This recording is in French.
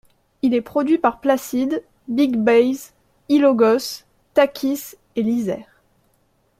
Il est produit par Placide, Big Base, Ilogos, Takis et Lizer.